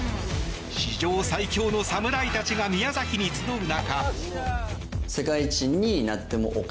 史上最強の侍たちが宮崎に集う中。